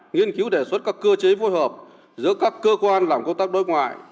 nghiên cứu đề xuất các cơ chế phối hợp giữa các cơ quan làm công tác đối ngoại